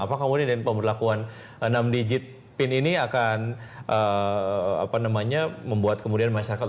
apakah kemudian dan pemperlakuan enam digit pin ini akan apa namanya membuat kemudian masyarakat ya